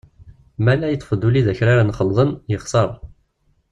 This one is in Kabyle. Ma yella yeṭṭef-d ulli d awkraren xelḍen, yexser.